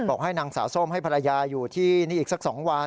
ให้นางสาวส้มให้ภรรยาอยู่ที่นี่อีกสัก๒วัน